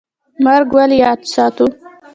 مرګ ولې یاد ساتو؟